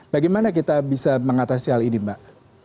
bagaimana kita bisa mengatasi hal ini mbak